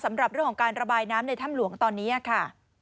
สำหรับเรื่องของการระบายน้ำในถ้ำหลวงตอนนี้ค่ะ